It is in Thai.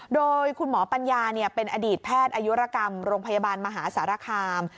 โดยคุณหมอปัญญาเป็นอดีตแพทย์อายุรกรรมโรงพยาบาลมหาสารคาม